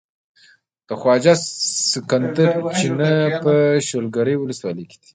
د خواجه سکندر چينه په شولګرې ولسوالۍ کې ده.